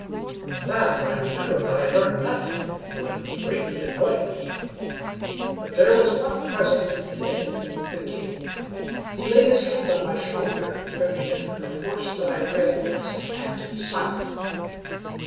From that I remember that I learned nothing, though it greatly annoyed me. But there was one present who did — the king. He laid his hand on my shoulder, gripping it with a force that I read as a command to be silent.